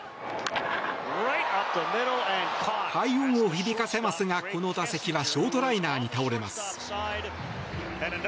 快音を響かせますが、この打席はショートライナーに倒れます。